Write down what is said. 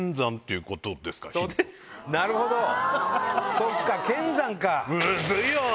そっか剣山か！